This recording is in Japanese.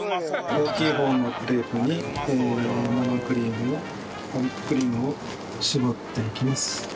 大きい方のクレープに生クリームをホイップクリームを絞っていきます。